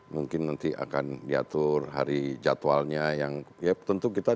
mungkin nanti akan diatur hari jadwalnya yang ya tentu kita